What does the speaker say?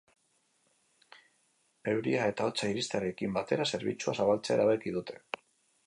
Euria eta hotza iristearekin batera, zerbitzua zabaltzea erabaki dute.